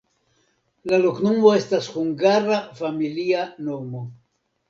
La loknomo estas hungara familia nomo.